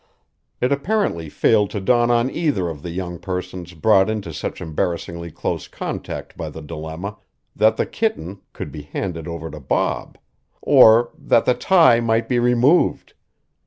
It apparently failed to dawn on either of the young persons brought into such embarrassingly close contact by the dilemma that the kitten could be handed over to Bob; or that the tie might be removed.